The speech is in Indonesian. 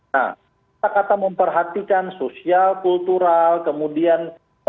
nah kata kata memperhatikan sosial kultural kemudian